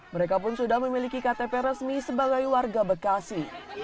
mereka pun sudah memiliki ktp resmi sebagai warga bekasi